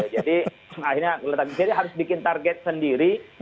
jadi akhirnya letak di sini harus bikin target sendiri